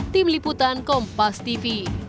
tim liputan kompas tv